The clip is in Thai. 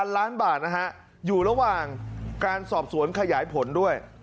ล้านบาทนะฮะอยู่ระหว่างการสอบสวนขยายผลด้วย